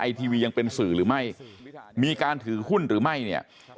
ทีวียังเป็นสื่อหรือไม่มีการถือหุ้นหรือไม่เนี่ย